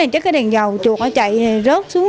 chắc cái đèn dầu chụp nó chạy rớt xuống